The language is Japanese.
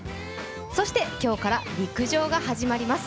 そして今日から陸上が始まります。